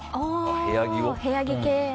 部屋着系。